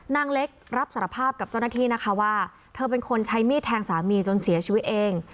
นางเล็กรับสารภาพกับเจ้าหน้าที่นะคะว่าเธอเป็นคนใช้มีดแทงสามีจนเสียชีวิตเอง